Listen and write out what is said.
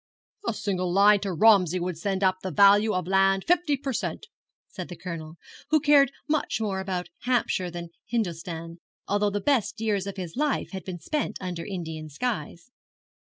'A single line to Romsey would send up the value of land fifty per cent,' said the Colonel, who cared much more about Hampshire than Hindostan, although the best years of his life had been spent under Indian skies.